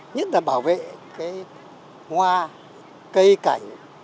nhất là bảo vệ cái hoa cây cảnh